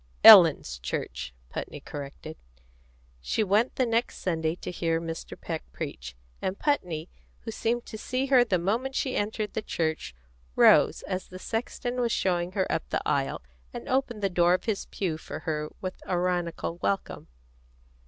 "Ellen's church," Putney corrected. She went the next Sunday to hear Mr. Peck preach, and Putney, who seemed to see her the moment she entered the church, rose, as the sexton was showing her up the aisle, and opened the door of his pew for her with ironical welcome.